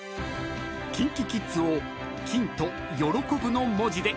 ［ＫｉｎＫｉＫｉｄｓを「金」と「喜ぶ」の文字で］